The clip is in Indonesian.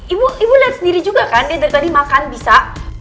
ibu ibu lihat sendiri juga kan dia dari tadi makan bisa